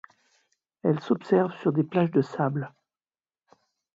Elle s'observe sur des plages de sable.